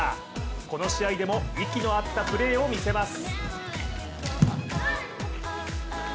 この試合でも息の合ったプレーを見せます。